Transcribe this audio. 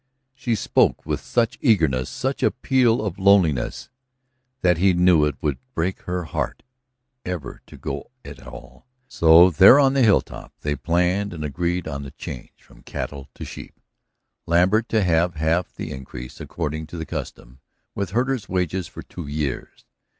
She spoke with such eagerness, such appeal of loneliness, that he knew it would break her heart ever to go at all. So there on the hilltop they planned and agreed on the change from cattle to sheep, Lambert to have half the increase, according to the custom, with herder's wages for two years.